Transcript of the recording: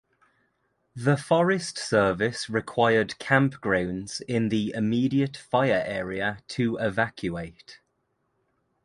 The Forest Service required campgrounds in the immediate fire area to evacuate.